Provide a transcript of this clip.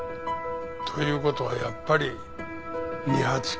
という事はやっぱり二八か。